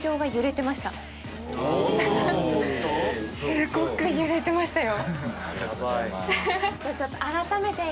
すごく揺れてましたよ。